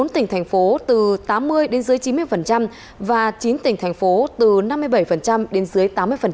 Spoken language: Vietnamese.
một mươi tỉnh thành phố từ tám mươi đến dưới chín mươi và chín tỉnh thành phố từ năm mươi bảy đến dưới tám mươi